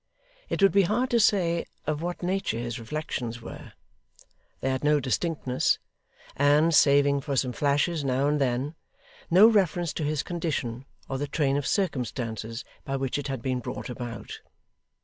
It would be hard to say, of what nature his reflections were. They had no distinctness, and, saving for some flashes now and then, no reference to his condition or the train of circumstances by which it had been brought about.